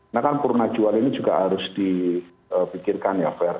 nah kan purna jual ini juga harus dipikirkan ya fair